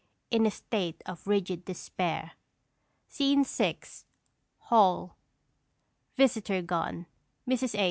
in a state of rigid despair._ SCENE VI. HALL. [_Visitor gone; Mrs. A.